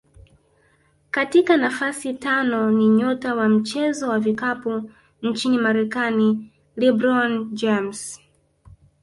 Katika nafasi ya tano ni nyota wa mchezo wa vikapu nchini Marekani LeBron James